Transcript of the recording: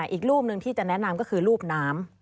อีกรูปหนึ่งที่จะแนะนำก็คือรูปน้ำ